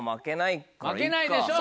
負けないでしょう。